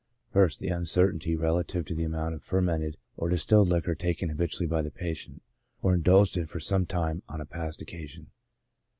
1st. The uncertainty relative to the amount of fermented or distilled Hquor taken habitually bv a patient, or indulged in for some time on a past occasion.